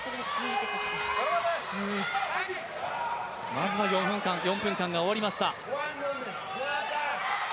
まずは４分間が終わりました。